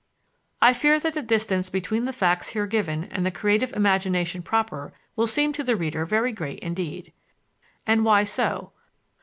I fear that the distance between the facts here given and the creative imagination proper will seem to the reader very great indeed. And why so?